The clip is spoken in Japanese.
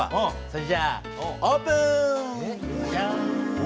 それじゃあオープン。